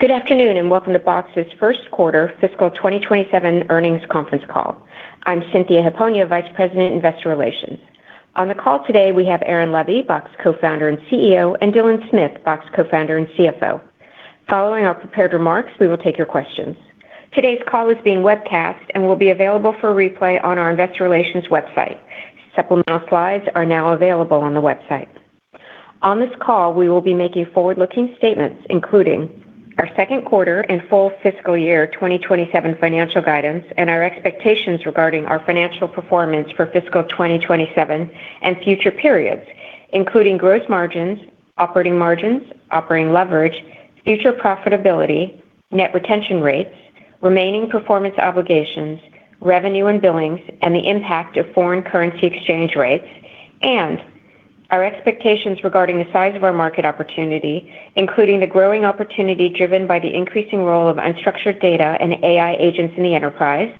Good afternoon, and welcome to Box's first quarter fiscal 2027 earnings conference call. I'm Cynthia Hiponia, Vice President, Investor Relations. On the call today, we have Aaron Levie, Box Co-Founder and CEO, and Dylan Smith, Box Co-Founder and CFO. Following our prepared remarks, we will take your questions. Today's call is being webcast and will be available for replay on our investor relations website. Supplemental slides are now available on the website. On this call, we will be making forward-looking statements, including our second quarter and full fiscal year 2027 financial guidance and our expectations regarding our financial performance for fiscal 2027 and future periods, including gross margins, operating margins, operating leverage, future profitability, net retention rates, remaining performance obligations, revenue and billings, and the impact of foreign currency exchange rates, and our expectations regarding the size of our market opportunity, including the growing opportunity driven by the increasing role of unstructured data and AI agents in the enterprise,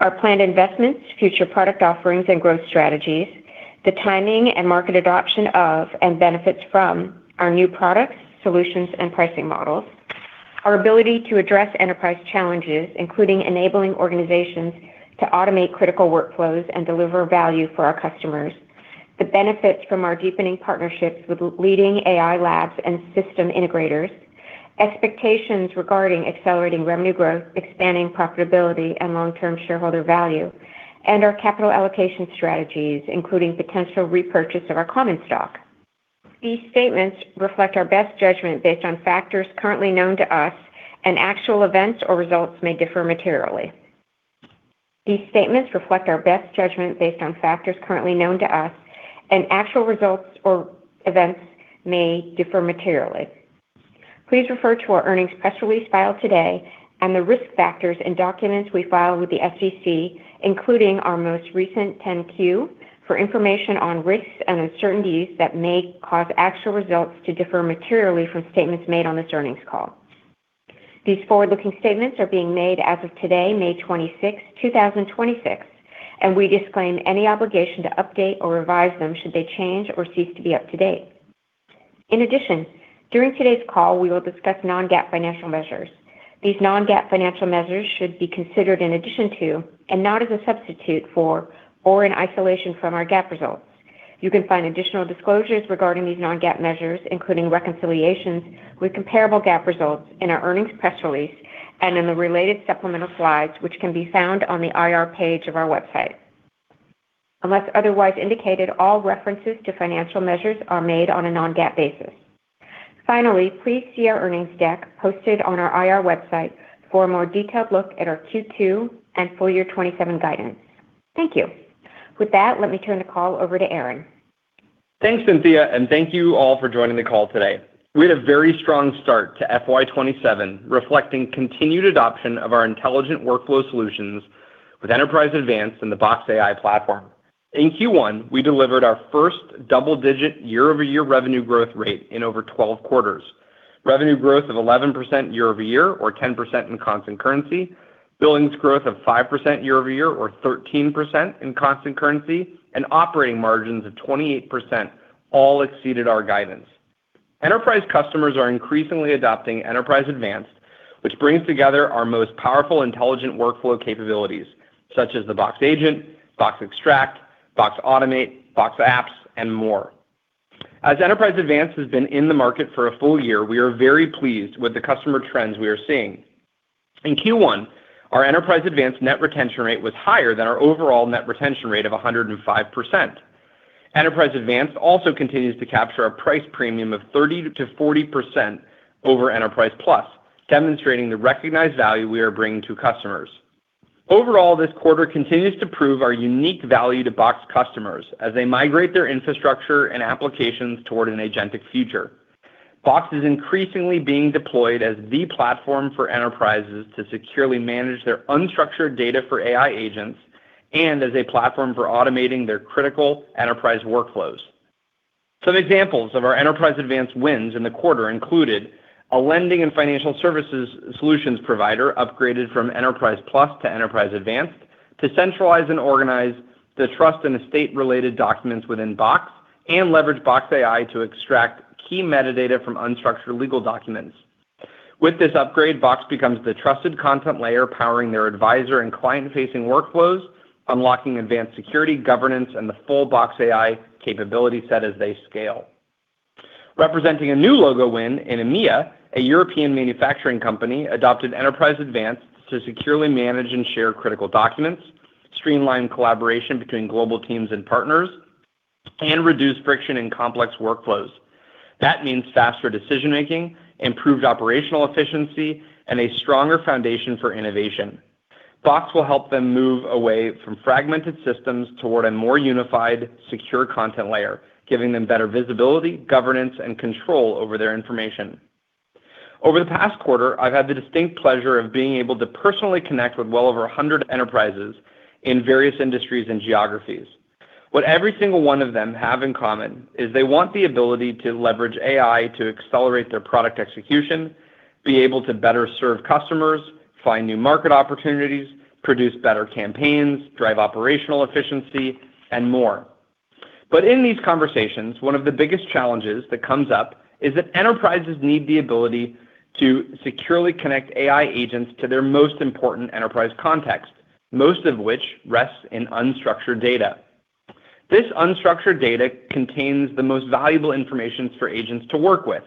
our planned investments, future product offerings, and growth strategies, the timing and market adoption of and benefits from our new products, solutions, and pricing models. Our ability to address enterprise challenges, including enabling organizations to automate critical workflows and deliver value for our customers, the benefits from our deepening partnerships with leading AI labs and system integrators, expectations regarding accelerating revenue growth, expanding profitability and long-term shareholder value, and our capital allocation strategies, including potential repurchase of our common stock. These statements reflect our best judgment based on factors currently known to us, and actual events or results may differ materially. These statements reflect our best judgment based on factors currently known to us, and actual results or events may differ materially. Please refer to our earnings press release filed today and the risk factors and documents we filed with the SEC, including our most recent 10-Q, for information on risks and uncertainties that may cause actual results to differ materially from statements made on this earnings call. These forward-looking statements are being made as of today, May 26th, 2026, and we disclaim any obligation to update or revise them should they change or cease to be up to date. In addition, during today's call, we will discuss non-GAAP financial measures. These non-GAAP financial measures should be considered in addition to and not as a substitute for or in isolation from our GAAP results. You can find additional disclosures regarding these non-GAAP measures, including reconciliations with comparable GAAP results in our earnings press release and in the related supplemental slides, which can be found on the IR page of our website. Unless otherwise indicated, all references to financial measures are made on a non-GAAP basis. Finally, please see our earnings deck posted on our IR website for a more detailed look at our Q2 and FY 2027 guidance. Thank you. With that, let me turn the call over to Aaron. Thanks, Cynthia. Thank you all for joining the call today. We had a very strong start to FY 2027, reflecting continued adoption of our intelligent workflow solutions with Enterprise Advanced and the Box AI platform. In Q1, we delivered our first double-digit year-over-year revenue growth rate in over 12 quarters. Revenue growth of 11% year-over-year, or 10% in constant currency, billings growth of 5% year-over-year, or 13% in constant currency, and operating margins of 28% all exceeded our guidance. Enterprise customers are increasingly adopting Enterprise Advanced, which brings together our most powerful intelligent workflow capabilities, such as the Box Agent, Box Extract, Box Automate, Box Apps, and more. As Enterprise Advanced has been in the market for a full-year, we are very pleased with the customer trends we are seeing. In Q1, our Enterprise Advanced net retention rate was higher than our overall net retention rate of 105%. Enterprise Advanced also continues to capture a price premium of 30%-40% over Enterprise Plus, demonstrating the recognized value we are bringing to customers. Overall, this quarter continues to prove our unique value to Box customers as they migrate their infrastructure and applications toward an agentic future. Box is increasingly being deployed as the platform for enterprises to securely manage their unstructured data for AI agents and as a platform for automating their critical enterprise workflows. Some examples of our Enterprise Advanced wins in the quarter included a lending and financial services solutions provider upgraded from Enterprise Plus to Enterprise Advanced to centralize and organize the trust and estate-related documents within Box and leverage Box AI to extract key metadata from unstructured legal documents. With this upgrade, Box becomes the trusted content layer powering their advisor and client-facing workflows, unlocking advanced security, governance, and the full Box AI capability set as they scale. Representing a new logo win in EMEA, a European manufacturing company adopted Enterprise Advanced to securely manage and share critical documents, streamline collaboration between global teams and partners, and reduce friction in complex workflows. That means faster decision-making, improved operational efficiency, and a stronger foundation for innovation. Box will help them move away from fragmented systems toward a more unified, secure content layer, giving them better visibility, governance, and control over their information. Over the past quarter, I've had the distinct pleasure of being able to personally connect with well over 100 enterprises in various industries and geographies. What every single one of them have in common is they want the ability to leverage AI to accelerate their product execution, be able to better serve customers, find new market opportunities, produce better campaigns, drive operational efficiency, and more. In these conversations, one of the biggest challenges that comes up is that enterprises need the ability to securely connect AI agents to their most important enterprise context, most of which rests in unstructured data. This unstructured data contains the most valuable information for agents to work with,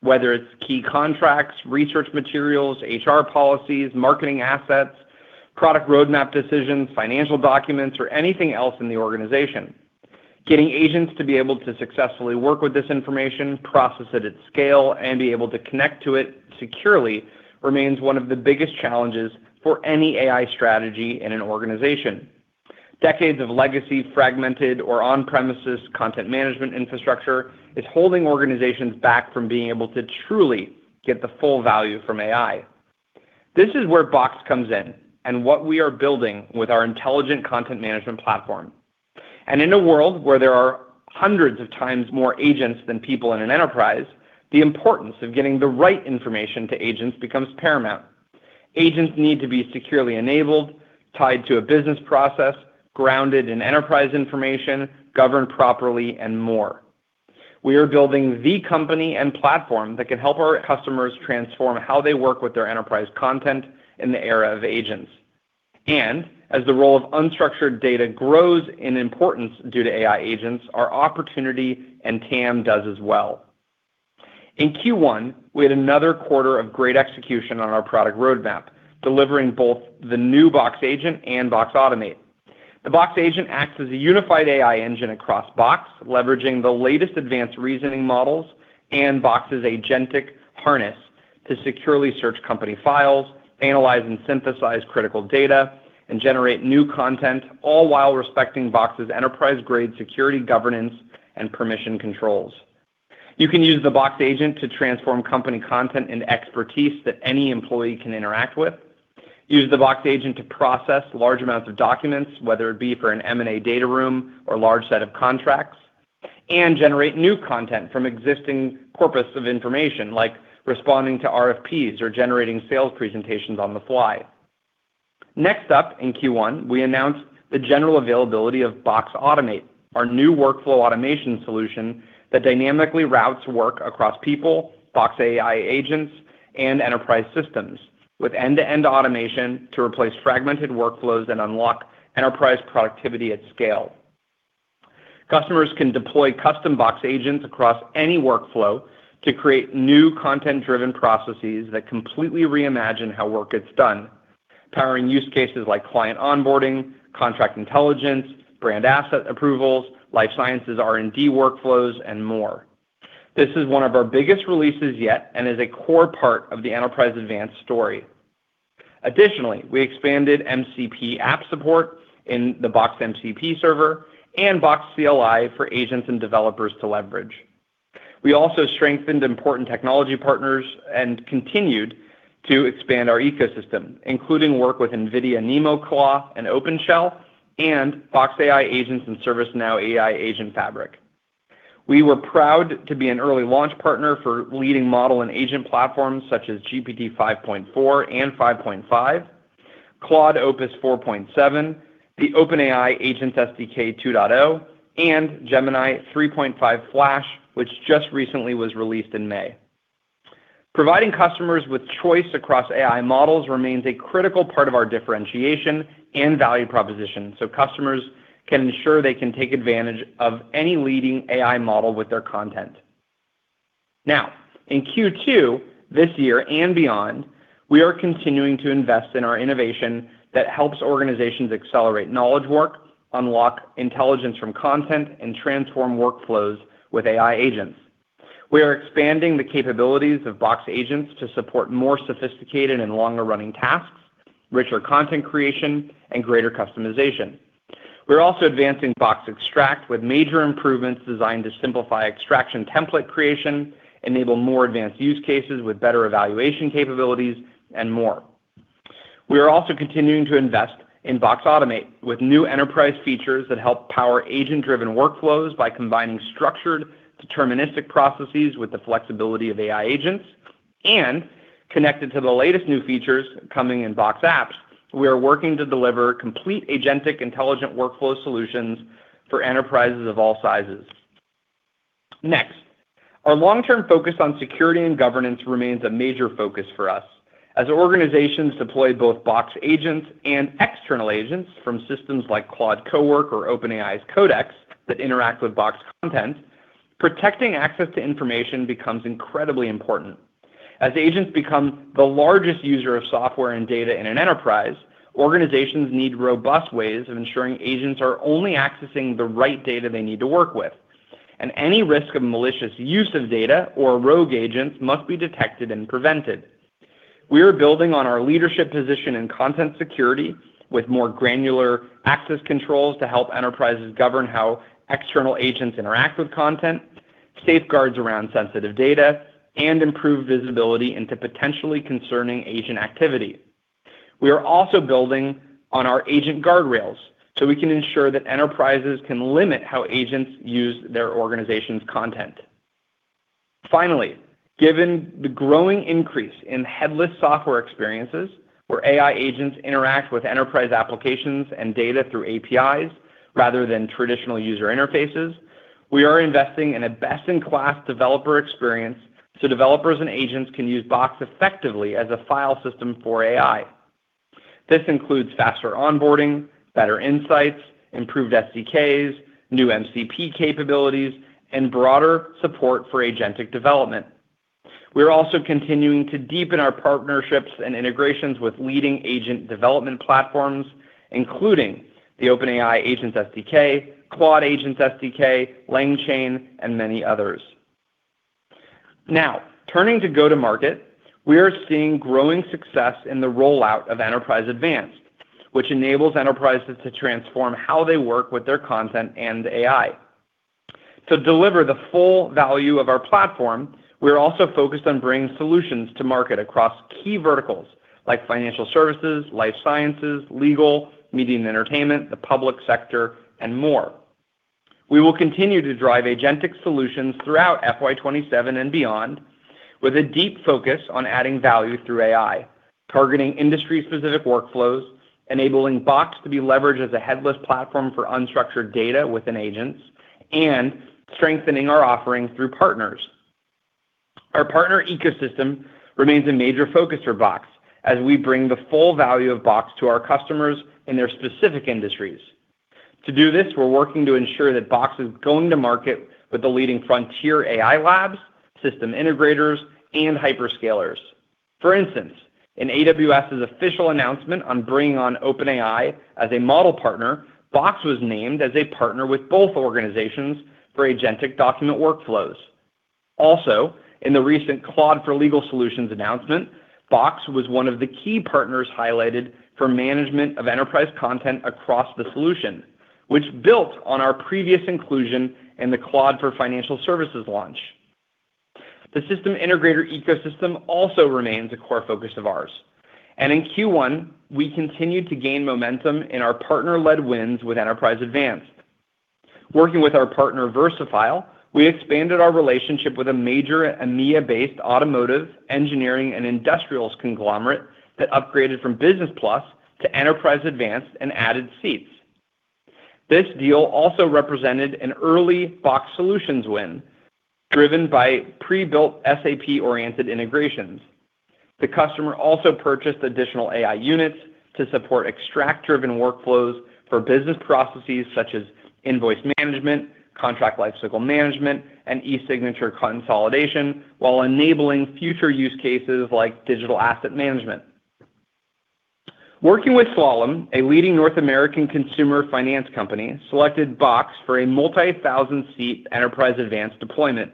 whether it's key contracts, research materials, HR policies, marketing assets, product roadmap decisions, financial documents, or anything else in the organization. Getting agents to be able to successfully work with this information, process it at scale, and be able to connect to it securely remains one of the biggest challenges for any AI strategy in an organization. Decades of legacy, fragmented, or on-premises content management infrastructure is holding organizations back from being able to truly get the full value from AI. This is where Box comes in and what we are building with our intelligent content management platform. In a world where there are hundreds of times more agents than people in an enterprise, the importance of getting the right information to agents becomes paramount. Agents need to be securely enabled, tied to a business process, grounded in enterprise information, governed properly, and more. We are building the company and platform that can help our customers transform how they work with their enterprise content in the era of agents. As the role of unstructured data grows in importance due to AI agents, our opportunity and TAM does as well. In Q1, we had another quarter of great execution on our product roadmap, delivering both the new Box Agent and Box Automate. The Box Agent acts as a unified AI engine across Box, leveraging the latest advanced reasoning models and Box's agentic harness to securely search company files, analyze and synthesize critical data, and generate new content, all while respecting Box's enterprise-grade security governance and permission controls. You can use the Box Agent to transform company content into expertise that any employee can interact with, use the Box Agent to process large amounts of documents, whether it be for an M&A data room or large set of contracts, and generate new content from existing corpus of information, like responding to RFPs or generating sales presentations on the fly. Next up, in Q1, we announced the general availability of Box Automate, our new workflow automation solution that dynamically routes work across people, Box AI agents, and enterprise systems with end-to-end automation to replace fragmented workflows and unlock enterprise productivity at scale. Customers can deploy custom Box agents across any workflow to create new content-driven processes that completely reimagine how work gets done. Powering use cases like client onboarding, contract intelligence, brand asset approvals, life sciences R&D workflows, and more. This is one of our biggest releases yet and is a core part of the Enterprise Advanced story. Additionally, we expanded MCP app support in the Box MCP server and Box CLI for agents and developers to leverage. We also strengthened important technology partners and continued to expand our ecosystem, including work with NVIDIA NemoClaw and OpenShell, and Box AI agents in ServiceNow AI Agent Fabric. We were proud to be an early launch partner for leading model and agent platforms such as GPT-5.4 and GPT-5.5, Claude Opus 4.7, the OpenAI Agent SDK 2.0, and Gemini 3.5 Flash, which just recently was released in May. Providing customers with choice across AI models remains a critical part of our differentiation and value proposition so customers can ensure they can take advantage of any leading AI model with their content. Now in Q2 this year and beyond, we are continuing to invest in our innovation that helps organizations accelerate knowledge work, unlock intelligence from content, and transform workflows with AI agents. We are expanding the capabilities of Box agents to support more sophisticated and longer-running tasks, richer content creation, and greater customization. We are also advancing Box Extract with major improvements designed to simplify extraction template creation, enable more advanced use cases with better evaluation capabilities, and more. We are also continuing to invest in Box Automate with new enterprise features that help power agent-driven workflows by combining structured deterministic processes with the flexibility of AI agents and connected to the latest new features coming in Box Apps, we are working to deliver complete agentic intelligent workflow solutions for enterprises of all sizes. Next, our long-term focus on security and governance remains a major focus for us. As organizations deploy both Box agents and external agents from systems like Claude Cowork or OpenAI's Codex that interact with Box content, protecting access to information becomes incredibly important. As agents become the largest user of software and data in an enterprise, organizations need robust ways of ensuring agents are only accessing the right data they need to work with, and any risk of malicious use of data or rogue agents must be detected and prevented. We are building on our leadership position in content security with more granular access controls to help enterprises govern how external agents interact with content, safeguards around sensitive data, and improve visibility into potentially concerning agent activity. We are also building on our agent guardrails so we can ensure that enterprises can limit how agents use their organization's content. Finally, given the growing increase in headless software experiences where AI agents interact with enterprise applications and data through APIs rather than traditional user interfaces, we are investing in a best-in-class developer experience so developers and agents can use Box effectively as a file system for AI. This includes faster onboarding, better insights, improved SDKs, new MCP capabilities, and broader support for agentic development. We're also continuing to deepen our partnerships and integrations with leading agent development platforms, including the OpenAI Agents SDK, Claude Agents SDK, LangChain, and many others. Turning to go to market, we are seeing growing success in the rollout of Enterprise Advanced, which enables enterprises to transform how they work with their content and AI. To deliver the full value of our platform, we are also focused on bringing solutions to market across key verticals like financial services, life sciences, legal, media and entertainment, the public sector, and more. We will continue to drive agentic solutions throughout FY 2027 and beyond with a deep focus on adding value through AI, targeting industry-specific workflows, enabling Box to be leveraged as a headless platform for unstructured data within agents, and strengthening our offerings through partners. Our partner ecosystem remains a major focus for Box as we bring the full value of Box to our customers in their specific industries. To do this, we're working to ensure that Box is going to market with the leading frontier AI labs, system integrators, and hyperscalers. For instance, in AWS's official announcement on bringing on OpenAI as a model partner, Box was named as a partner with both organizations for agentic document workflows. In the recent Claude for Legal Solutions announcement, Box was one of the key partners highlighted for management of enterprise content across the solution, which built on our previous inclusion in the Claude for Financial Services launch. The system integrator ecosystem also remains a core focus of ours. In Q1, we continued to gain momentum in our partner-led wins with Enterprise Advanced. Working with our partner, VersaFile, we expanded our relationship with a major EMEA-based automotive, engineering, and industrials conglomerate that upgraded from Business Plus to Enterprise Advanced and added seats. This deal also represented an early Box Solutions win driven by pre-built SAP-oriented integrations. The customer also purchased additional AI units to support extract-driven workflows for business processes such as invoice management, contract life cycle management, and e-signature consolidation, while enabling future use cases like digital asset management. Working with Slalom, a leading North American consumer finance company selected Box for a multi-thousand seat Enterprise Advanced deployment.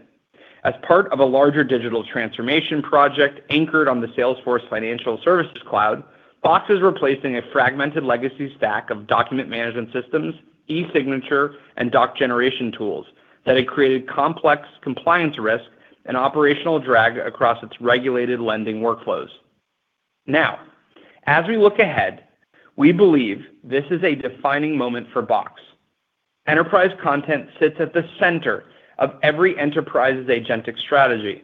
As part of a larger digital transformation project anchored on the Salesforce Financial Services Cloud, Box is replacing a fragmented legacy stack of document management systems, e-signature, and doc generation tools that had created complex compliance risk and operational drag across its regulated lending workflows. As we look ahead, we believe this is a defining moment for Box. Enterprise content sits at the center of every enterprise's agentic strategy.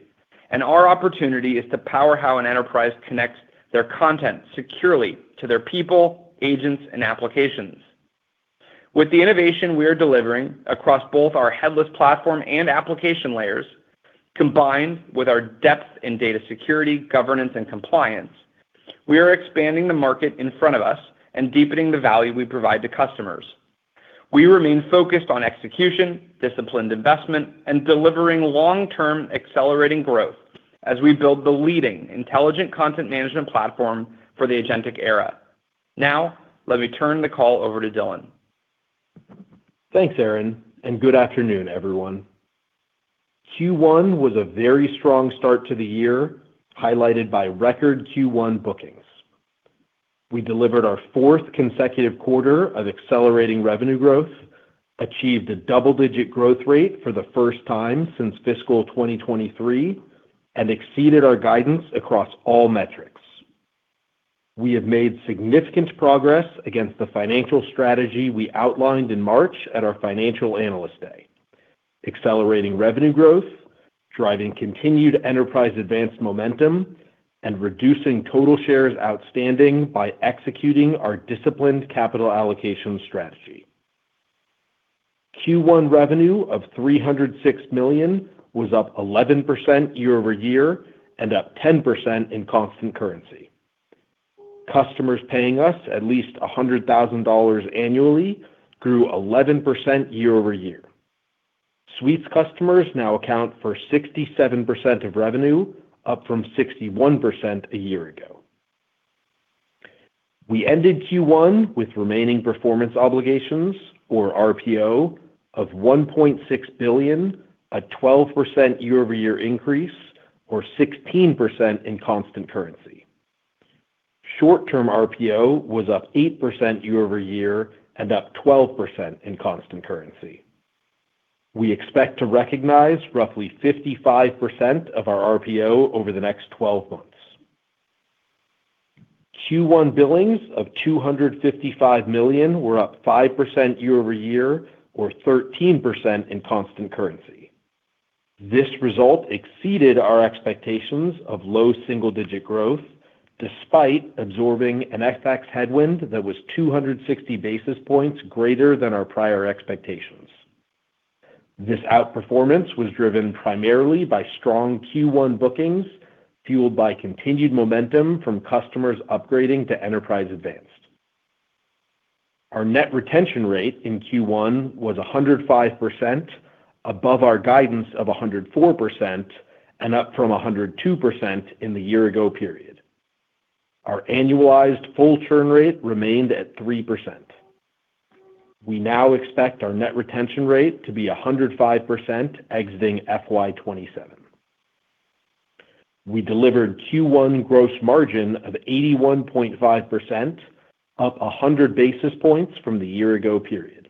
Our opportunity is to power how an enterprise connects their content securely to their people, agents, and applications. With the innovation we are delivering across both our headless platform and application layers, combined with our depth in data security, governance, and compliance, we are expanding the market in front of us and deepening the value we provide to customers. We remain focused on execution, disciplined investment, and delivering long-term accelerating growth as we build the leading intelligent content management platform for the agentic era. Let me turn the call over to Dylan. Thanks, Aaron. Good afternoon, everyone. Q1 was a very strong start to the year, highlighted by record Q1 bookings. We delivered our fourth consecutive quarter of accelerating revenue growth, achieved a double-digit growth rate for the first time since fiscal 2023, exceeded our guidance across all metrics. We have made significant progress against the financial strategy we outlined in March at our Financial Analyst Day, accelerating revenue growth, driving continued Enterprise Advanced momentum, and reducing total shares outstanding by executing our disciplined capital allocation strategy. Q1 revenue of $306 million was up 11% year-over-year and up 10% in constant currency. Customers paying us at least $100,000 annually grew 11% year-over-year. Suites customers now account for 67% of revenue, up from 61% a year ago. We ended Q1 with remaining performance obligations, or RPO, of $1.6 billion, a 12% year-over-year increase, or 16% in constant currency. Short-term RPO was up 8% year-over-year and up 12% in constant currency. We expect to recognize roughly 55% of our RPO over the next 12 months. Q1 billings of $255 million were up 5% year-over-year or 13% in constant currency. This result exceeded our expectations of low single-digit growth, despite absorbing an FX headwind that was 260 basis points greater than our prior expectations. This outperformance was driven primarily by strong Q1 bookings, fueled by continued momentum from customers upgrading to Enterprise Advanced. Our net retention rate in Q1 was 105%, above our guidance of 104%, and up from 102% in the year-ago period. Our annualized full churn rate remained at 3%. We now expect our net retention rate to be 105% exiting FY 2027. We delivered Q1 gross margin of 81.5%, up 100 basis points from the year ago period.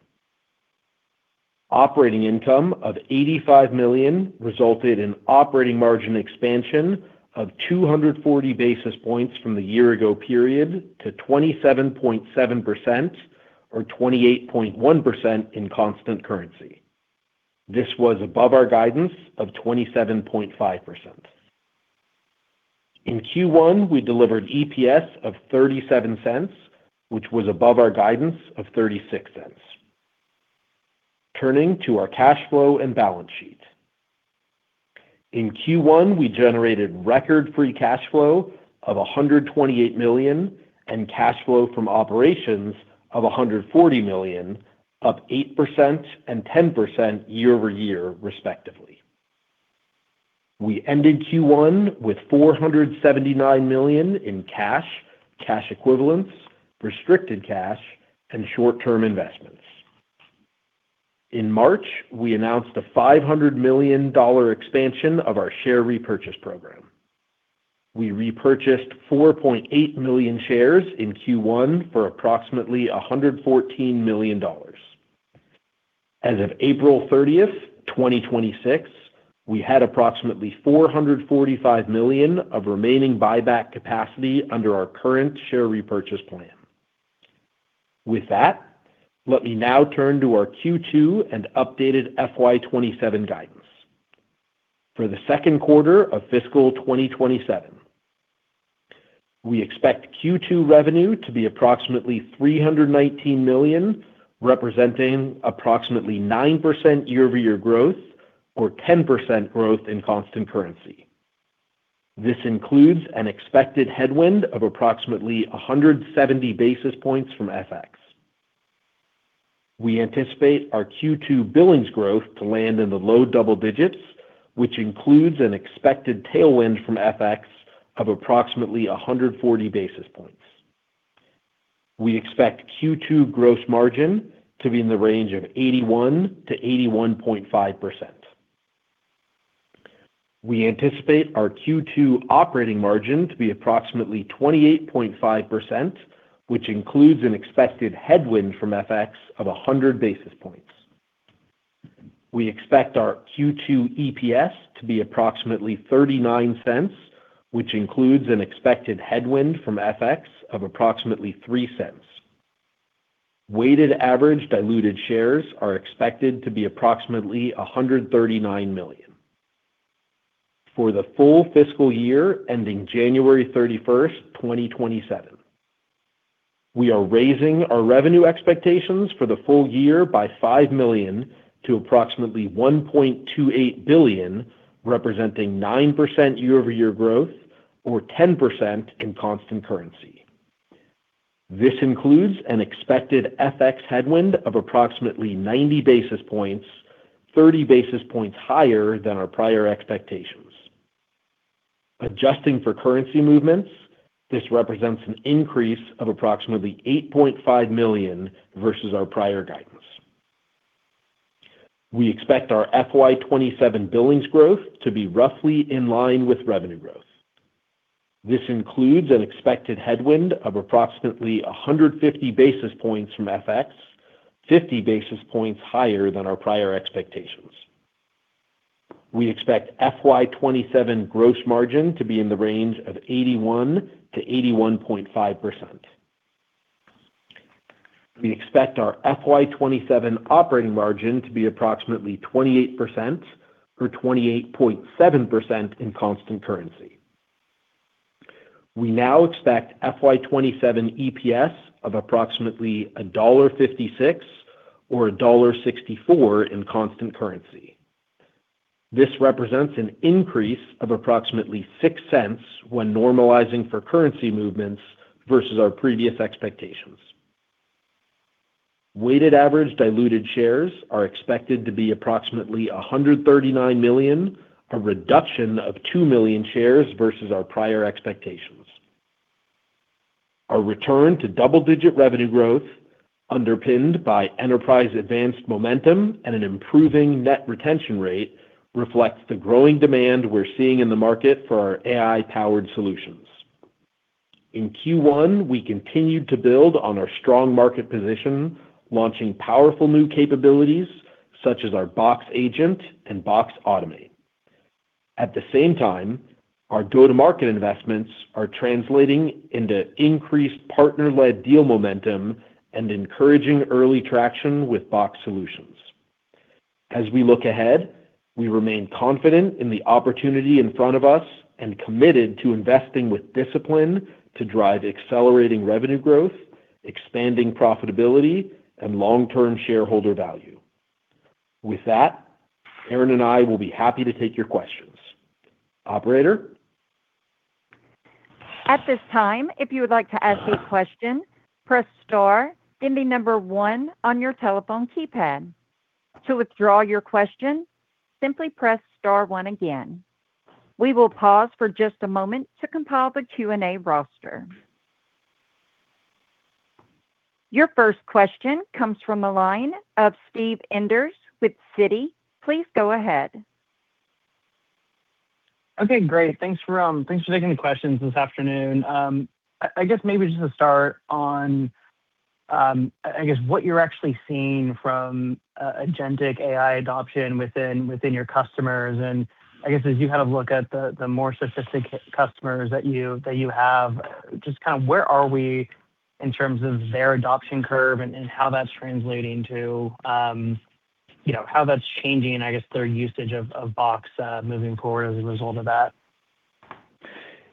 Operating income of $85 million resulted in operating margin expansion of 240 basis points from the year ago period to 27.7%, or 28.1% in constant currency. This was above our guidance of 27.5%. In Q1, we delivered EPS of $0.37, which was above our guidance of $0.36. Turning to our cash flow and balance sheet. In Q1, we generated record free cash flow of $128 million and cash flow from operations of $140 million, up 8% and 10% year-over-year, respectively. We ended Q1 with $479 million in cash equivalents, restricted cash, and short-term investments. In March, we announced a $500 million expansion of our share repurchase program. We repurchased 4.8 million shares in Q1 for approximately $114 million. As of April 30th, 2026, we had approximately $445 million of remaining buyback capacity under our current share repurchase plan. With that, let me now turn to our Q2 and updated FY 2027 guidance. For the second quarter of fiscal 2027, we expect Q2 revenue to be approximately $319 million, representing approximately 9% year-over-year growth or 10% growth in constant currency. This includes an expected headwind of approximately 170 basis points from FX. We anticipate our Q2 billings growth to land in the low double digits, which includes an expected tailwind from FX of approximately 140 basis points. We expect Q2 gross margin to be in the range of 81%-81.5%. We anticipate our Q2 operating margin to be approximately 28.5%, which includes an expected headwind from FX of 100 basis points. We expect our Q2 EPS to be approximately $0.39, which includes an expected headwind from FX of approximately $0.03. Weighted average diluted shares are expected to be approximately 139 million. For the full fiscal year ending January 31st, 2027, we are raising our revenue expectations for the full-year by $5 million to approximately $1.28 billion, representing 9% year-over-year growth or 10% in constant currency. This includes an expected FX headwind of approximately 90 basis points, 30 basis points higher than our prior expectations. Adjusting for currency movements, this represents an increase of approximately $8.5 million versus our prior guidance. We expect our FY 2027 billings growth to be roughly in line with revenue growth. This includes an expected headwind of approximately 150 basis points from FX, 50 basis points higher than our prior expectations. We expect FY 2027 gross margin to be in the range of 81%-81.5%. We expect our FY 2027 operating margin to be approximately 28%, or 28.7% in constant currency. We now expect FY 2027 EPS of approximately $1.56, or $1.64 in constant currency. This represents an increase of approximately $0.06 when normalizing for currency movements versus our previous expectations. Weighted average diluted shares are expected to be approximately 139 million, a reduction of 2 million shares versus our prior expectations. Our return to double-digit revenue growth, underpinned by Enterprise Advanced momentum and an improving net retention rate, reflects the growing demand we're seeing in the market for our AI-powered solutions. In Q1, we continued to build on our strong market position, launching powerful new capabilities such as our Box Agent and Box Automate. At the same time, our go-to-market investments are translating into increased partner-led deal momentum and encouraging early traction with Box Solutions. As we look ahead, we remain confident in the opportunity in front of us and committed to investing with discipline to drive accelerating revenue growth, expanding profitability, and long-term shareholder value. With that, Aaron and I will be happy to take your questions. Operator? At this time, if you would like yo ask a question, press star then the number one on your telephone keypad. To withdraw your question, simply press star one again. We will pause for just a moment to compile the Q&A roster. Your first question comes from the line of Steve Enders with Citi. Please go ahead. Okay, great. Thanks for taking the questions this afternoon. I guess maybe just to start on what you're actually seeing from agentic AI adoption within your customers, and I guess as you look at the more sophisticated customers that you have, just where are we in terms of their adoption curve and how that's translating to how that's changing, I guess, their usage of Box moving forward as a result of that?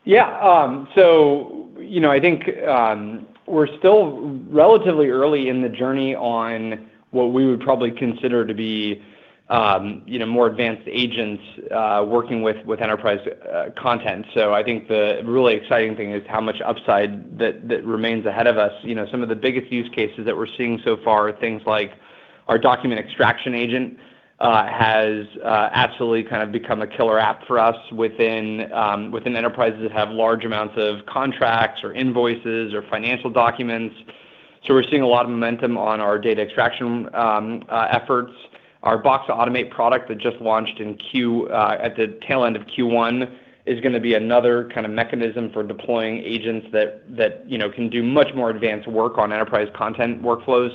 Yeah so I think we're still relatively early in the journey on what we would probably consider to be more advanced agents working with enterprise content. I think the really exciting thing is how much upside that remains ahead of us. Some of the biggest use cases that we're seeing so far are things like our document extraction agent has absolutely become a killer app for us within enterprises that have large amounts of contracts or invoices or financial documents. We're seeing a lot of momentum on our data extraction efforts. Our Box Automate product that just launched at the tail end of Q1 is going to be another mechanism for deploying agents that can do much more advanced work on enterprise content workflows.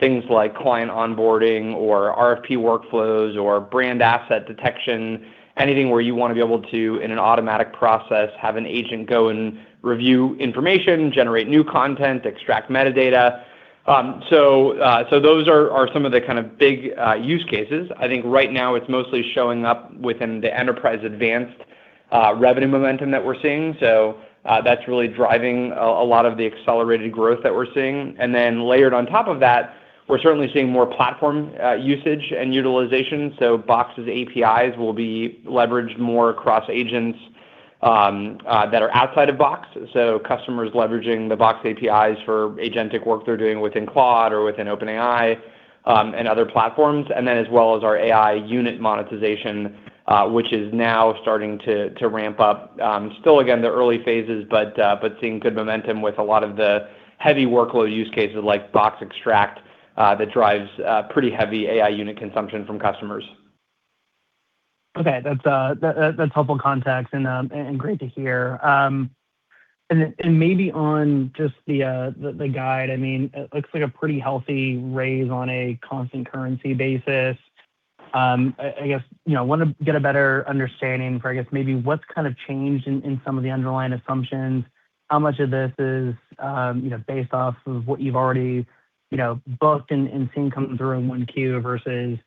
Things like client onboarding or RFP workflows or brand asset detection, anything where you want to be able to, in an automatic process, have an agent go and review information, generate new content, extract metadata. So those are some of the kind of big use cases. I think right now it's mostly showing up within the Enterprise Advanced revenue momentum that we're seeing. That's really driving a lot of the accelerated growth that we're seeing. Layered on top of that, we're certainly seeing more platform usage and utilization. Box's APIs will be leveraged more across agents that are outside of Box. Customers leveraging the Box APIs for agentic work they're doing within Claude or within OpenAI, and other platforms. As well as our AI unit monetization, which is now starting to ramp up. Still, again, the early phases, but seeing good momentum with a lot of the heavy workload use cases like Box Extract, that drives pretty heavy AI unit consumption from customers. Okay. That's helpful context and great to hear. Maybe on just the guide, it looks like a pretty healthy raise on a constant currency basis. I want to get a better understanding for maybe what's changed in some of the underlying assumptions, how much of this is based off of what you've already booked and seen coming through in 1Q versus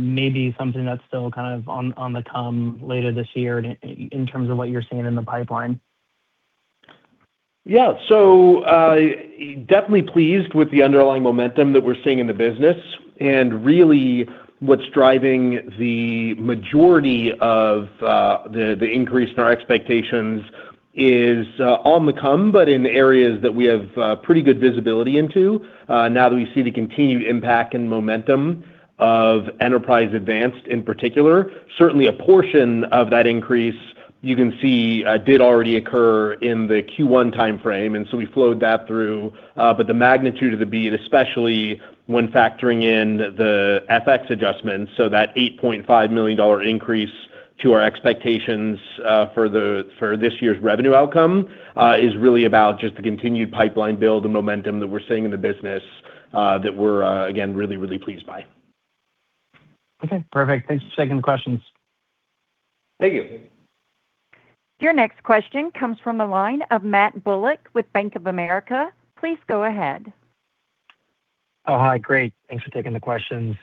maybe something that's still on the come later this year in terms of what you're seeing in the pipeline? Yeah. Definitely pleased with the underlying momentum that we're seeing in the business. Really what's driving the majority of the increase in our expectations is on the come, but in areas that we have pretty good visibility into now that we see the continued impact and momentum of Enterprise Advanced in particular. Certainly a portion of that increase you can see did already occur in the Q1 timeframe. We flowed that through. The magnitude of the beat, especially when factoring in the FX adjustments, so that $8.5 million increase to our expectations for this year's revenue outcome, is really about just the continued pipeline build and momentum that we're seeing in the business that we're again, really pleased by. Okay, perfect. Thanks. Taking questions. Thank you. Your next question comes from the line of Matt Bullock with Bank of America. Please go ahead. Oh, hi. Great, thanks for taking the questions.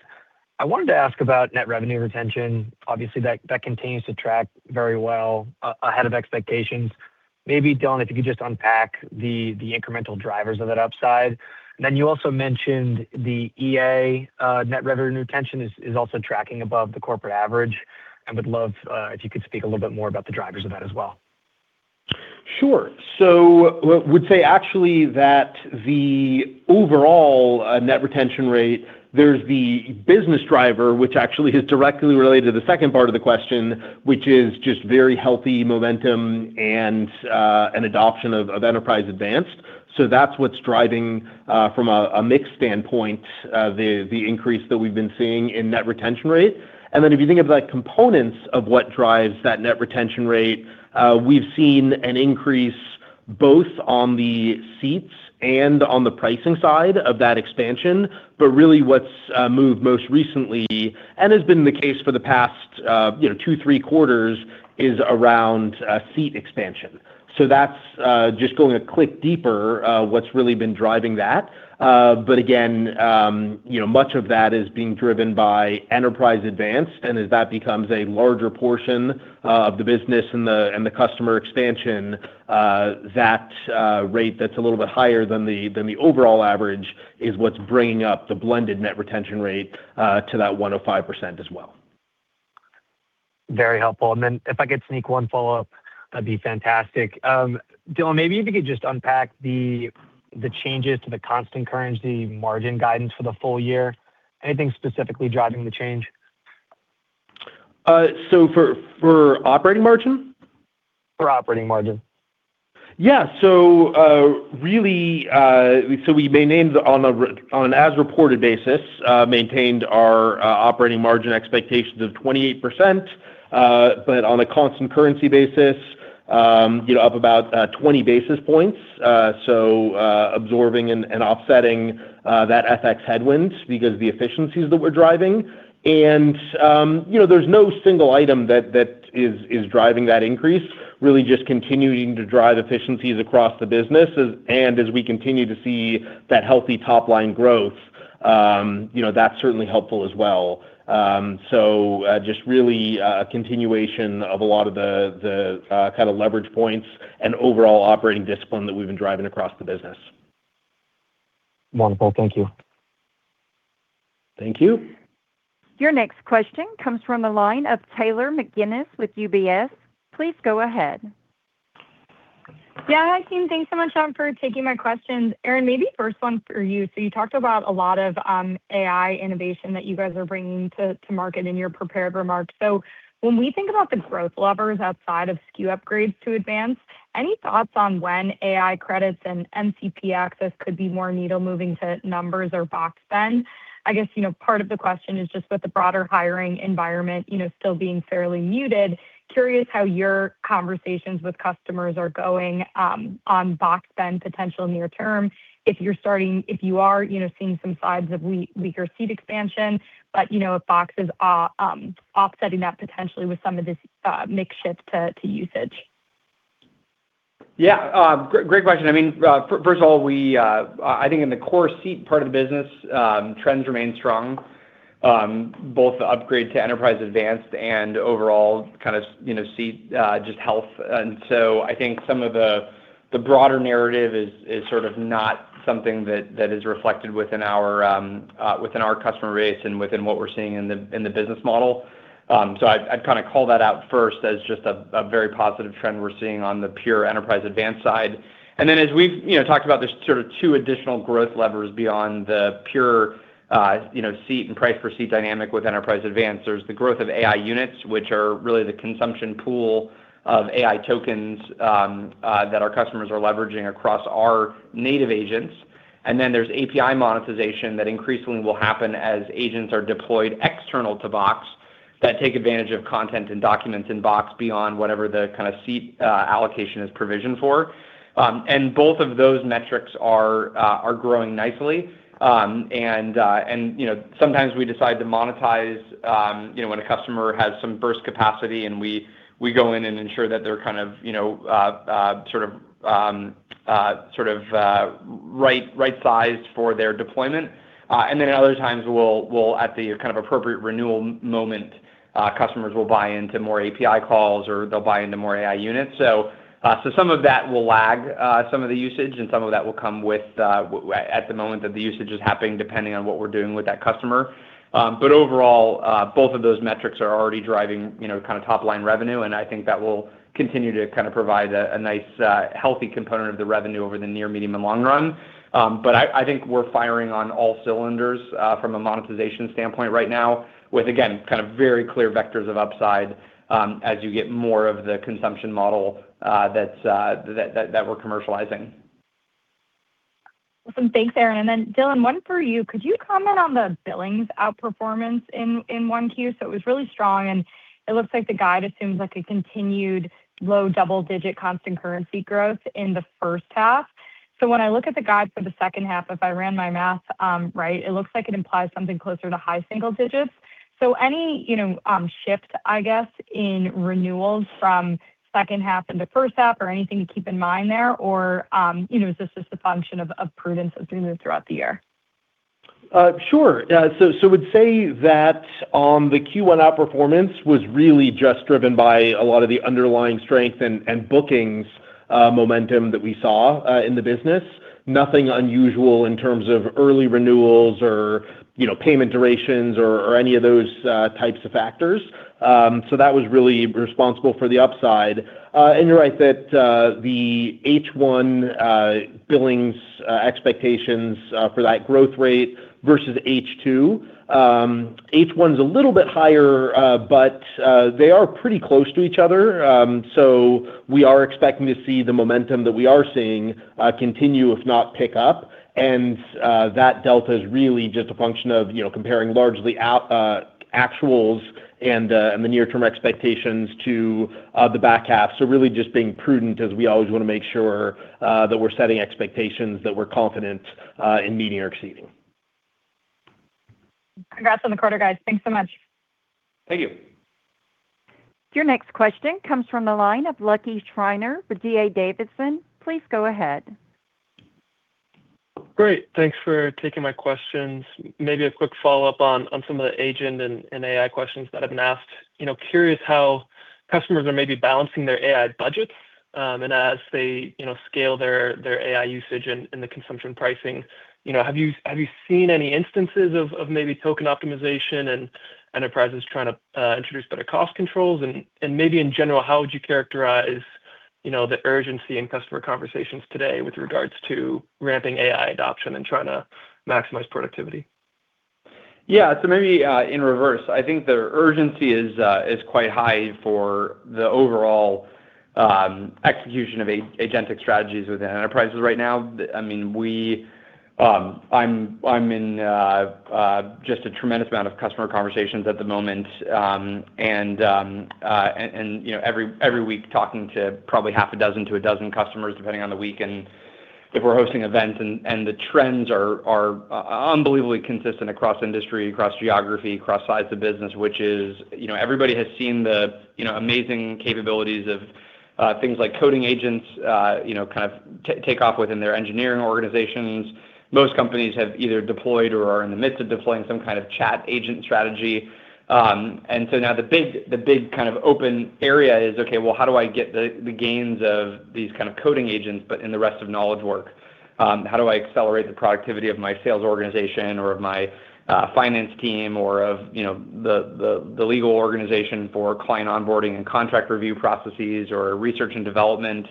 I wanted to ask about net revenue retention. Obviously, that continues to track very well, ahead of expectations. Maybe, Dylan, if you could just unpack the incremental drivers of that upside. You also mentioned the EA net revenue retention is also tracking above the corporate average. I would love if you could speak a little bit more about the drivers of that as well. Sure. Would say actually that the overall net retention rate, there's the business driver, which actually is directly related to the second part of the question, which is just very healthy momentum and adoption of Enterprise Advanced. That's what's driving, from a mix standpoint, the increase that we've been seeing in net retention rate. If you think of the components of what drives that net retention rate, we've seen an increase both on the seats and on the pricing side of that expansion. Really what's moved most recently, and has been the case for the past two, three quarters, is around seat expansion. That's just going a click deeper, what's really been driving that. Again, much of that is being driven by Enterprise Advanced, and as that becomes a larger portion of the business and the customer expansion, that rate that's a little bit higher than the overall average is what's bringing up the blended net retention rate to that 105% as well. Very helpful. If I could sneak one follow-up, that'd be fantastic. Dylan, maybe if you could just unpack the changes to the constant currency margin guidance for the full-year. Anything specifically driving the change? For operating margin? For operating margin. Yeah. We maintained on an as-reported basis, maintained our operating margin expectations of 28%, but on a constant currency basis, up about 20 basis points. Absorbing and offsetting that FX headwinds because the efficiencies that we're driving. There's no single item that is driving that increase. Really just continuing to drive efficiencies across the business. As we continue to see that healthy top-line growth, that's certainly helpful as well. Just really a continuation of a lot of the kind of leverage points and overall operating discipline that we've been driving across the business. Wonderful. Thank you. Thank you. Your next question comes from the line of Taylor McGinnis with UBS. Please go ahead. Yeah. Hi, team. Thanks so much for taking my questions. Aaron, maybe first one for you. You talked about a lot of AI innovation that you guys are bringing to market in your prepared remarks. When we think about the growth levers outside of SKU upgrades to advance, any thoughts on when AI credits and MCP access could be more needle moving to numbers or Box spend? I guess, part of the question is just with the broader hiring environment still being fairly muted, curious how your conversations with customers are going on Box spend potential near term, if you are seeing some signs of weaker seat expansion, but if Box is offsetting that potentially with some of this mix shift to usage. Great question. First of all, I think in the core seat part of the business, trends remain strong. Both the upgrade to Enterprise Advanced and overall seat health. I think some of the broader narrative is sort of not something that is reflected within our customer base and within what we're seeing in the business model. I'd call that out first as just a very positive trend we're seeing on the pure Enterprise Advanced side. As we've talked about, there's sort of two additional growth levers beyond the pure seat and price per seat dynamic with Enterprise Advanced. There's the growth of AI units, which are really the consumption pool of AI tokens that our customers are leveraging across our native agents. Then there's API monetization that increasingly will happen as agents are deployed external to Box that take advantage of content and documents in Box beyond whatever the seat allocation is provisioned for. Both of those metrics are growing nicely. Sometimes we decide to monetize when a customer has some burst capacity, and we go in and ensure that they're sort of right-sized for their deployment. Then at other times, at the appropriate renewal moment, customers will buy into more API calls, or they'll buy into more AI units. So some of that will lag some of the usage, and some of that will come at the moment that the usage is happening, depending on what we're doing with that customer. Overall, both of those metrics are already driving top-line revenue, and I think that will continue to provide a nice, healthy component of the revenue over the near, medium, and long run. I think we're firing on all cylinders from a monetization standpoint right now with, again, very clear vectors of upside as you get more of the consumption model that we're commercializing. Awesome. Thanks, Aaron. Dylan, one for you. Could you comment on the billings outperformance in 1Q? It was really strong, and it looks like the guide assumes a continued low double-digit constant currency growth in the first half. When I look at the guide for the second half, if I ran my math right, it looks like it implies something closer to high single-digits. Any shift, I guess, in renewals from second half into first half or anything to keep in mind there, or is this just a function of prudence as we move throughout the year? Sure. Would say that the Q1 outperformance was really just driven by a lot of the underlying strength and bookings momentum that we saw in the business. Nothing unusual in terms of early renewals or payment durations or any of those types of factors. That was really responsible for the upside. You're right that the H1 billings expectations for that growth rate versus H2. H1's a little bit higher, but they are pretty close to each other. We are expecting to see the momentum that we are seeing continue, if not pick up. That delta is really just a function of comparing largely actuals and the near-term expectations to the back half. Really just being prudent as we always want to make sure that we're setting expectations that we're confident in meeting or exceeding. Congrats on the quarter, guys. Thanks so much. Thank you. Your next question comes from the line of Lucky Schreiner with D.A. Davidson. Please go ahead. Great. Thanks for taking my questions. Maybe a quick follow-up on some of the agent and AI questions that have been asked. Curious how customers are maybe balancing their AI budgets, and as they scale their AI usage and the consumption pricing, have you seen any instances of maybe token optimization and enterprises trying to introduce better cost controls? Maybe in general, how would you characterize the urgency in customer conversations today with regards to ramping AI adoption and trying to maximize productivity? Maybe in reverse, I think the urgency is quite high for the overall execution of agentic strategies within enterprises right now. I'm in just a tremendous amount of customer conversations at the moment, and every week talking to probably half a dozen to a dozen customers, depending on the week and if we're hosting events. The trends are unbelievably consistent across industry, across geography, across sides of business, which is everybody has seen the amazing capabilities of things like coding agents kind of take off within their engineering organizations. Most companies have either deployed or are in the midst of deploying some kind of chat agent strategy. Now the big kind of open area is, okay, well, how do I get the gains of these kind of coding agents, but in the rest of knowledge work? How do I accelerate the productivity of my sales organization or of my finance team, or of the legal organization for client onboarding and contract review processes, or research and development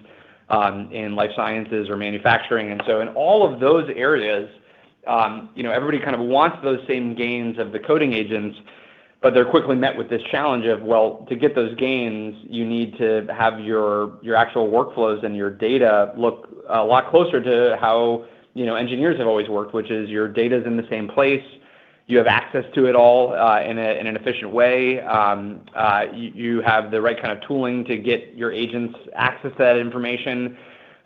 in life sciences or manufacturing? In all of those areas, everybody kind of wants those same gains of the coding agents, but they're quickly met with this challenge of, well, to get those gains, you need to have your actual workflows and your data look a lot closer to how engineers have always worked, which is your data's in the same place, you have access to it all in an efficient way, you have the right kind of tooling to get your agents access to that information.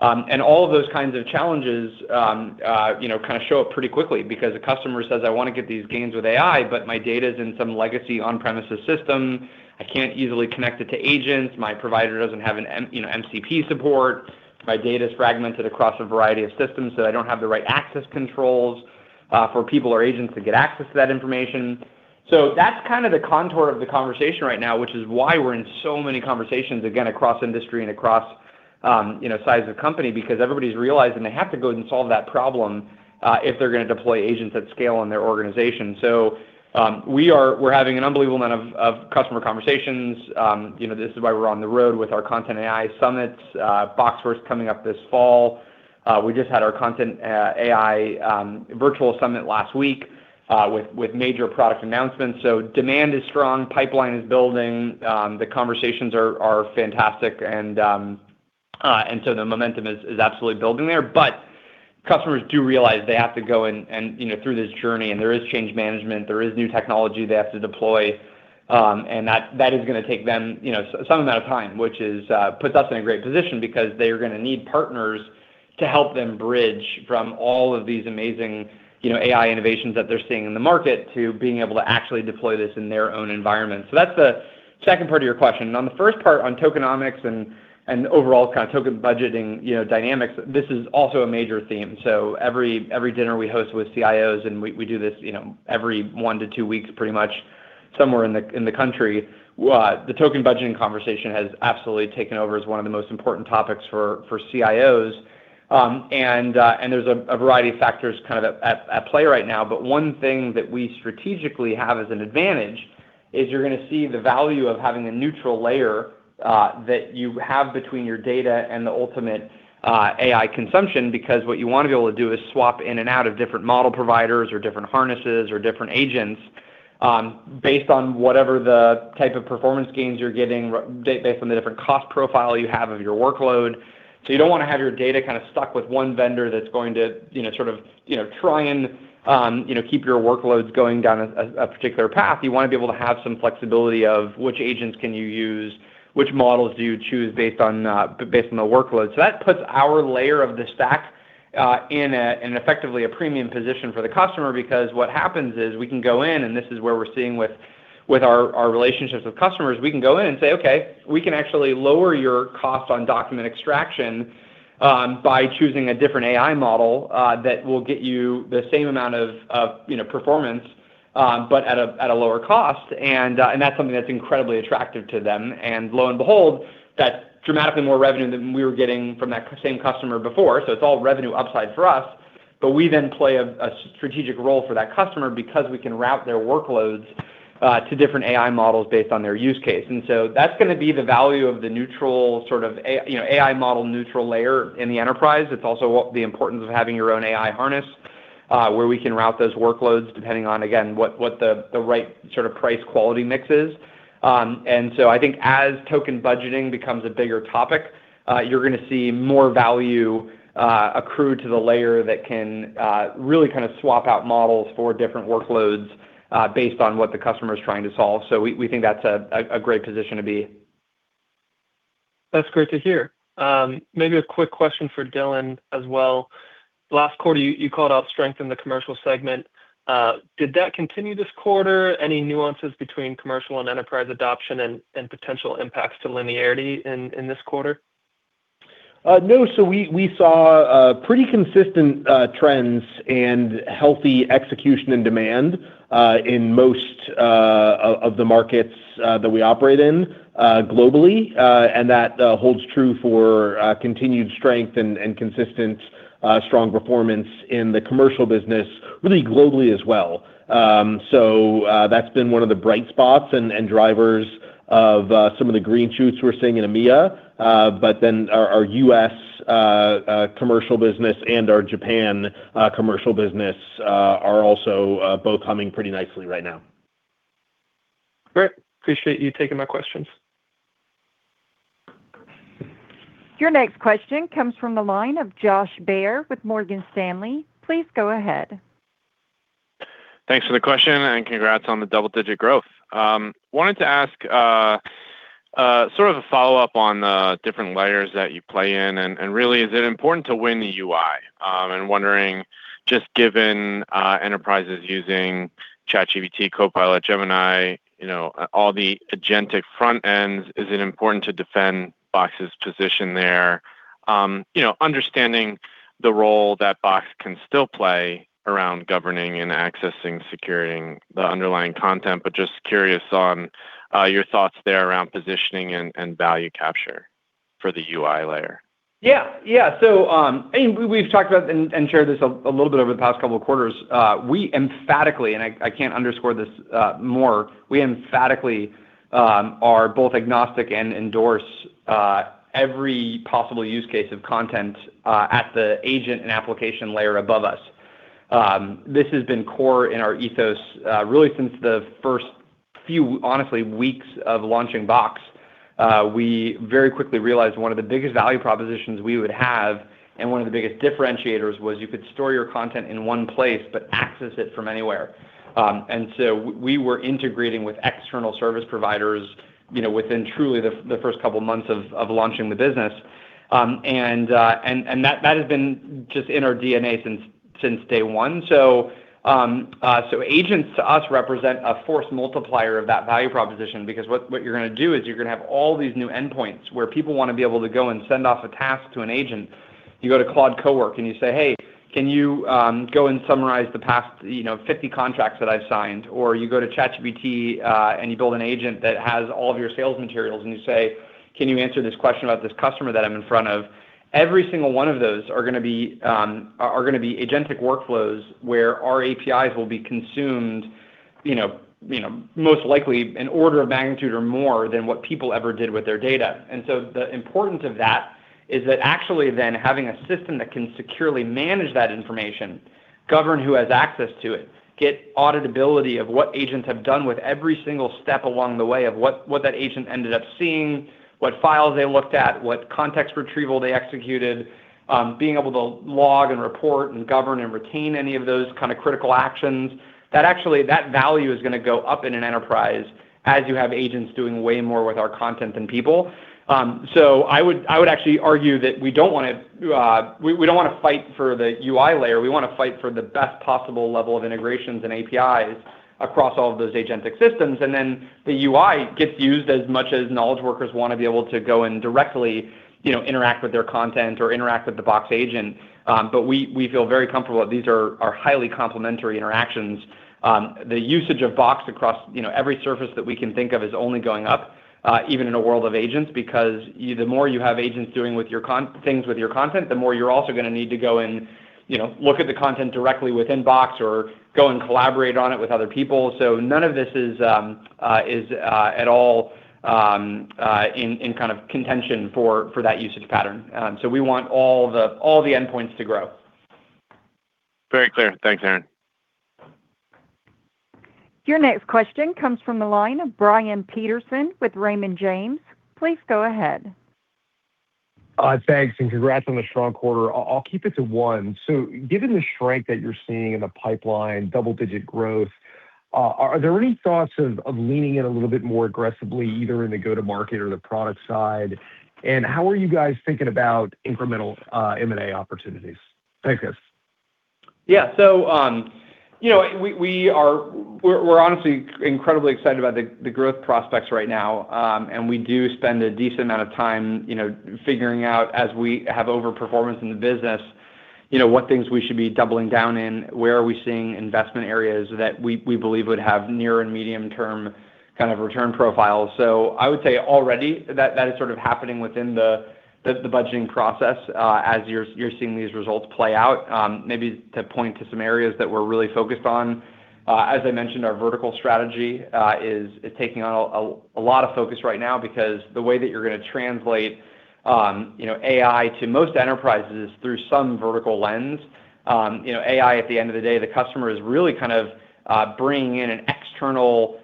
All of those kinds of challenges kind of show up pretty quickly because a customer says, "I want to get these gains with AI, but my data's in some legacy on-premises system. I can't easily connect it to agents. My provider doesn't have an MCP support. My data's fragmented across a variety of systems, so I don't have the right access controls for people or agents to get access to that information." That's kind of the contour of the conversation right now, which is why we're in so many conversations, again, across industry and across sides of the company, because everybody's realizing they have to go ahead and solve that problem if they're going to deploy agents at scale in their organization. We're having an unbelievable amount of customer conversations. This is why we're on the road with our Content AI Summits. Box First coming up this fall. We just had our Content AI virtual summit last week with major product announcements. Demand is strong, pipeline is building, the conversations are fantastic, the momentum is absolutely building there. Customers do realize they have to go in through this journey, and there is change management, there is new technology they have to deploy, and that is going to take them some amount of time, which puts us in a great position because they are going to need partners to help them bridge from all of these amazing AI innovations that they're seeing in the market to being able to actually deploy this in their own environment. That's the second part of your question. On the first part on tokenomics and overall kind of token budgeting dynamics, this is also a major theme. Every dinner we host with CIOs, and we do this every one to two weeks, pretty much, somewhere in the country, the token budgeting conversation has absolutely taken over as one of the most important topics for CIOs, and there's a variety of factors kind of at play right now. One thing that we strategically have as an advantage is you're going to see the value of having a neutral layer that you have between your data and the ultimate AI consumption, because what you want to be able to do is swap in and out of different model providers or different harnesses or different agents based on whatever the type of performance gains you're getting based on the different cost profile you have of your workload. You don't want to have your data kind of stuck with one vendor that's going to sort of try and keep your workloads going down a particular path. You want to be able to have some flexibility of which agents can you use, which models do you choose based on the workload. That puts our layer of the stack in effectively a premium position for the customer, because what happens is we can go in, and this is where we're seeing with our relationships with customers, we can go in and say, "Okay, we can actually lower your cost on document extraction by choosing a different AI model that will get you the same amount of performance but at a lower cost," and that's something that's incredibly attractive to them. Lo and behold, that's dramatically more revenue than we were getting from that same customer before. It's all revenue upside for us, we then play a strategic role for that customer because we can route their workloads to different AI models based on their use case. That's going to be the value of the AI model neutral layer in the enterprise. It's also the importance of having your own AI harness where we can route those workloads depending on, again, what the right sort of price quality mix is. I think as token budgeting becomes a bigger topic, you're going to see more value accrue to the layer that can really kind of swap out models for different workloads based on what the customer's trying to solve. We think that's a great position to be in. That's great to hear. Maybe a quick question for Dylan as well. Last quarter, you called out strength in the commercial segment. Did that continue this quarter? Any nuances between commercial and enterprise adoption and potential impacts to linearity in this quarter? No. We saw pretty consistent trends and healthy execution and demand in most of the markets that we operate in globally. That holds true for continued strength and consistent strong performance in the commercial business really globally as well. That's been one of the bright spots and drivers of some of the green shoots we're seeing in EMEA. Our U.S. commercial business and our Japan commercial business are also both humming pretty nicely right now. Great. Appreciate you taking my questions. Your next question comes from the line of Josh Baer with Morgan Stanley. Please go ahead. Thanks for the question and congrats on the double-digit growth. I wanted to ask sort of a follow-up on the different layers that you play in, and really is it important to win the UI? I'm wondering just given enterprises using ChatGPT, Copilot, Gemini, all the agentic front ends, is it important to defend Box's position there? Understanding the role that Box can still play around governing and accessing, securing the underlying content, but just curious on your thoughts there around positioning and value capture for the UI layer. Yeah. We've talked about and shared this a little bit over the past couple of quarters. We emphatically, and I can't underscore this more, we emphatically are both agnostic and endorse every possible use case of content at the agent and application layer above us. This has been core in our ethos really since the first few, honestly, weeks of launching Box. We very quickly realized one of the biggest value propositions we would have and one of the biggest differentiators was you could store your content in one place but access it from anywhere. We were integrating with external service providers within truly the first couple of months of launching the business. That has been just in our DNA since day one. Agents to us represent a force multiplier of that value proposition because what you're going to do is you're going to have all these new endpoints where people want to be able to go and send off a task to an agent. You go to Claude Cowork and you say, "Hey, can you go and summarize the past 50 contracts that I've signed?" Or you go to ChatGPT, and you build an agent that has all of your sales materials, and you say, "Can you answer this question about this customer that I'm in front of?" Every single one of those are going to be agentic workflows where our APIs will be consumed most likely an order of magnitude or more than what people ever did with their data. The importance of that is that actually then having a system that can securely manage that information, govern who has access to it, get auditability of what agents have done with every single step along the way of what that agent ended up seeing, what files they looked at, what context retrieval they executed, being able to log and report and govern and retain any of those kind of critical actions. That actually, that value is going to go up in an enterprise as you have agents doing way more with our content than people. I would actually argue that we don't want to fight for the UI layer. We want to fight for the best possible level of integrations and APIs across all of those agentic systems. The UI gets used as much as knowledge workers want to be able to go and directly interact with their content or interact with the Box Agent. We feel very comfortable that these are highly complementary interactions. The usage of Box across every surface that we can think of is only going up, even in a world of agents, because the more you have agents doing things with your content, the more you're also going to need to go and look at the content directly within Box or go and collaborate on it with other people. None of this is at all in kind of contention for that usage pattern. We want all the endpoints to grow. Very clear. Thanks, Aaron. Your next question comes from the line of Brian Peterson with Raymond James. Please go ahead. Thanks, and congrats on the strong quarter. I'll keep it to one. Given the strength that you're seeing in the pipeline, double-digit growth, are there any thoughts of leaning in a little bit more aggressively, either in the go-to-market or the product side? How are you guys thinking about incremental M&A opportunities? Thanks, guys. We're honestly incredibly excited about the growth prospects right now, and we do spend a decent amount of time figuring out as we have over-performance in the business what things we should be doubling down in, where are we seeing investment areas that we believe would have near and medium-term return profiles. I would say already that is sort of happening within the budgeting process as you're seeing these results play out. Maybe to point to some areas that we're really focused on. As I mentioned, our vertical strategy is taking on a lot of focus right now because the way that you're going to translate AI to most enterprises is through some vertical lens. AI, at the end of the day, the customer is really kind of bringing in an external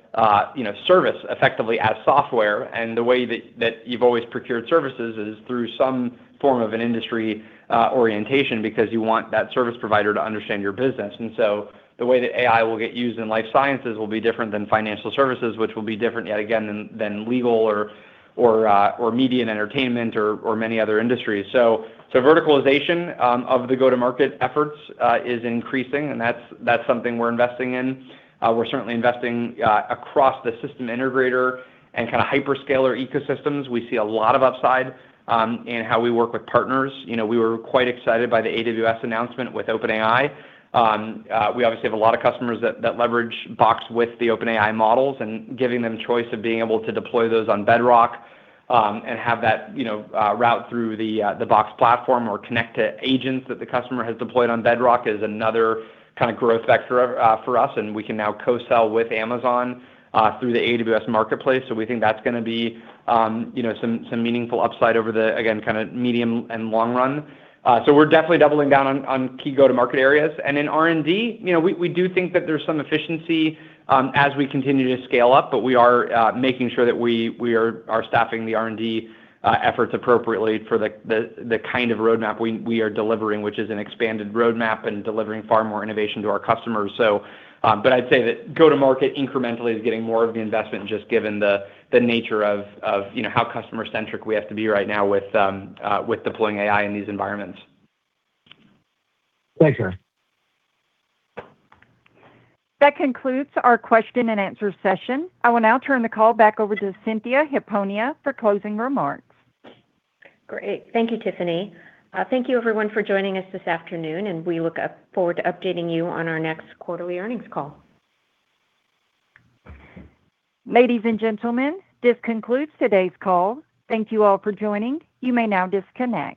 service effectively as software, and the way that you've always procured services is through some form of an industry orientation, because you want that service provider to understand your business. The way that AI will get used in life sciences will be different than financial services, which will be different yet again than legal or media and entertainment or many other industries. Verticalization of the go-to-market efforts is increasing, and that's something we're investing in. We're certainly investing across the system integrator and kind of hyperscaler ecosystems. We see a lot of upside in how we work with partners. We were quite excited by the AWS announcement with OpenAI. We obviously have a lot of customers that leverage Box with the OpenAI models and giving them choice of being able to deploy those on Bedrock, and have that route through the Box platform, or connect to agents that the customer has deployed on Bedrock is another kind of growth vector for us. We can now co-sell with Amazon through the AWS Marketplace. We think that's going to be some meaningful upside over the, again, kind of medium and long run. We're definitely doubling down on key go-to-market areas. In R&D, we do think that there's some efficiency as we continue to scale up, but we are making sure that we are staffing the R&D efforts appropriately for the kind of roadmap we are delivering, which is an expanded roadmap and delivering far more innovation to our customers. I'd say that go-to-market incrementally is getting more of the investment, just given the nature of how customer-centric we have to be right now with deploying AI in these environments. Thanks, Aaron. That concludes our question and answer session. I will now turn the call back over to Cynthia Hiponia for closing remarks. Great. Thank you, Tiffany. Thank you everyone for joining us this afternoon, and we look forward to updating you on our next quarterly earnings call. Ladies and gentlemen, this concludes today's call. Thank you all for joining. You may now disconnect.